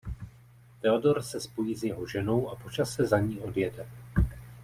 Theodor se spojí s jeho ženou a po čase za ní odjede.